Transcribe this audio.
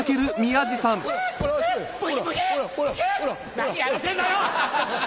何やらせんだよ！